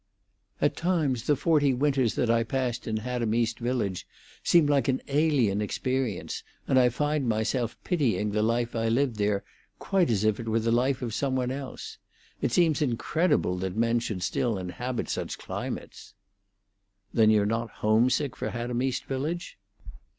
"At times the forty winters that I passed in Haddam East Village seem like an alien experience, and I find myself pitying the life I lived there quite as if it were the life of some one else. It seems incredible that men should still inhabit such climates." "Then you're not homesick for Haddam East Village?"